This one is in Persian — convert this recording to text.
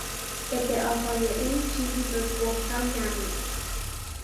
ادعاهای او چیزی جز بهتان نبود.